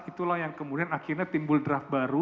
itulah yang kemudian akhirnya timbul draft baru